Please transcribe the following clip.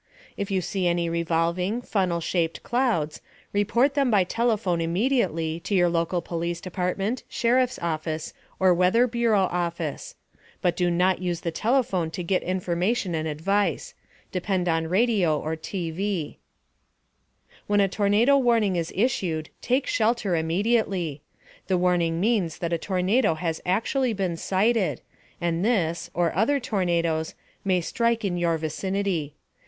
If you see any revolving, funnel shaped clouds, report them by telephone immediately to your local police department, sheriff's office or Weather Bureau office. But do not use the phone to get information and advice depend on radio or TV. * When a tornado warning is issued, take shelter immediately. The warning means that a tornado has actually been sighted, and this (or other tornadoes) may strike in your vicinity.